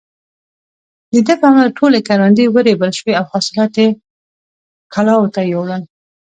د ده په امر ټولې کروندې ورېبل شوې او حاصلات يې کلاوو ته يووړل.